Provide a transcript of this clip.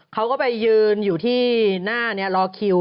เขาก็ไปยืนอยู่ที่หน้ารอคิว